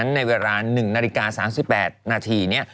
ในเวลา๑นาฬิกา๓๘นาทีนี้